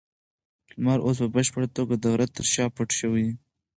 لمر اوس په بشپړه توګه د غره تر شا پټ شوی دی.